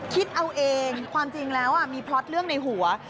คิดเอาเองความจริงแล้วมีพล็อตเรื่องในหัว